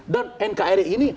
dan nkri ini